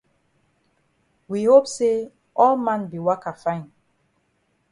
We hope say all man be waka fine.